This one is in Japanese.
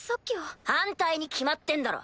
反対に決まってんだろ。